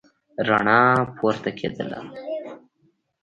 رڼا پورته کېدله.